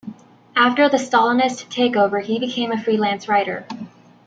After the Stalinist takeover he became a freelance writer.